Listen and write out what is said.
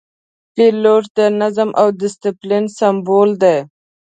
پیلوټ د نظم او دسپلین سمبول دی.